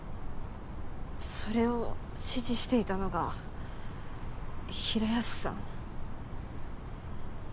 それを指示していたのが平安さん。